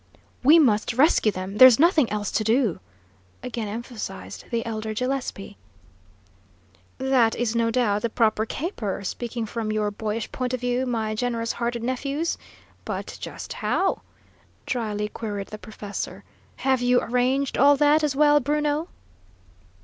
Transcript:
"We must rescue them; there's nothing else to do," again emphasised the elder Gillespie. "That is no doubt the proper caper, speaking from your boyish point of view, my generous hearted nephews; but just how?" dryly queried the professor. "Have you arranged all that, as well, Bruno?"